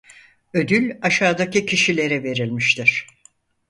Ödül aşağıdaki kişilere verilmiştir.